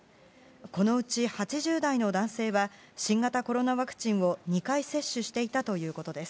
このうち８０代の男性は新型コロナワクチンを２回接種していたということです。